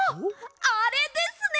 あれですね！